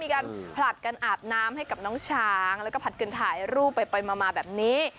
การผลัดกันอาบน้ำให้กับน้องช้างแล้วก็ผลัดกันถ่ายรูปไปมาแบบนี้